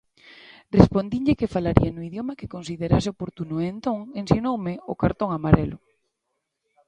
Respondinlle que falaría no idioma que considerase oportuno e entón ensinoume o cartón amarelo.